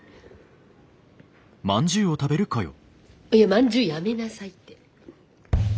まんじゅうやめなさいって！